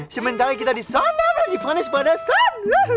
sementara kita di sana lagi fanis pada sun